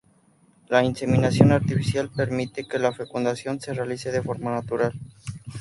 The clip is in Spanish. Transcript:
La inseminación artificial permite que la fecundación se realice de forma natural.